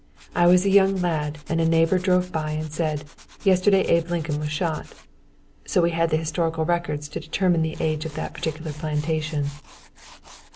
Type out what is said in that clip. "I was a young lad and a neighbor drove by and said, 'Yesterday Abe Lincoln was shot.'" So we had the historical records to determine the age of that particular plantation.